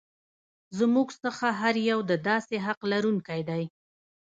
زموږ څخه هر یو د داسې حق لرونکی دی.